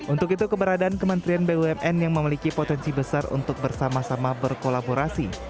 untuk itu keberadaan kementerian bumn yang memiliki potensi besar untuk bersama sama berkolaborasi